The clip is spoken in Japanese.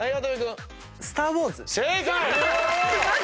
『スター・ウォーズ』正解！